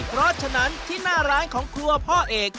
เพราะฉะนั้นที่หน้าร้านของครัวพ่อเอก